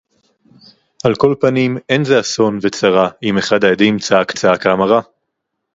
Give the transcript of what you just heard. עַל כָּל פָּנִים אֵין זֶה אָסוֹן וְצָרָה אִם אֶחָד הָעֵדִים צָעַק צְעָקָה מָרָה